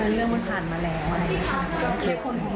แต่เรื่องมันผ่านมาแล้วไงใช่ไหม